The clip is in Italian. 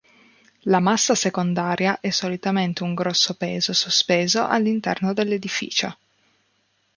La massa secondaria è solitamente un grosso peso sospeso all'interno dell'edificio.